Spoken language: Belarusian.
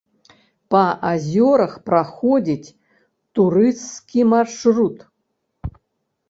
Па азёрах праходзіць турысцкі маршрут.